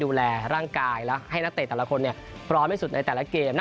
ดูแลร่างกายแล้วให้นักเตะแต่ละคนพร้อมที่สุดในแต่ละเกมนะ